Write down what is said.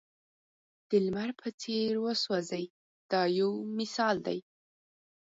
د لمر په څېر وسوځئ دا یو مثال دی.